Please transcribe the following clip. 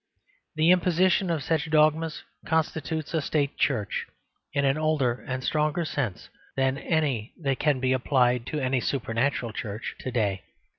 The imposition of such dogmas constitutes a State Church in an older and stronger sense than any that can be applied to any supernatural Church to day.